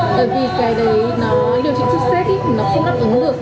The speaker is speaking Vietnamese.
tại vì cái đấy nó điều trị suất xếp í nó không nắp ứng được